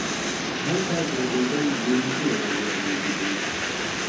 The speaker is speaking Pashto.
هلته د ډوډۍ بې نظیره ډولونه موجود وو.